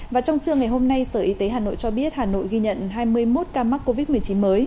và trong trưa ngày hôm nay sở y tế hà nội cho biết hà nội ghi nhận hai mươi một ca mắc covid một mươi chín mới